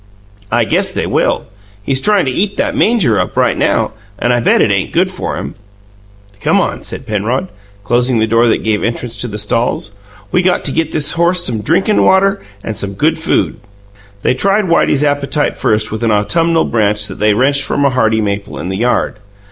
"I guess they will. He's tryin' to eat that manger up right now, and I bet it ain't good for him." "Come on," said Penrod, closing the door that gave entrance to the stalls. "We got to get this horse some drinkin' water and some good food." They tried Whitey's appetite first with an autumnal branch that they wrenched from a hardy maple in the yard.